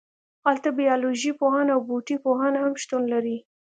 هلته بیالوژی پوهان او بوټي پوهان هم شتون لري